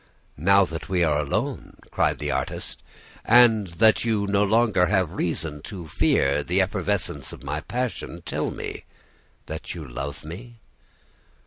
"'Now that we are alone,' cried the artist, 'and that you no longer have reason to fear the effervescence of my passion, tell me that you love me.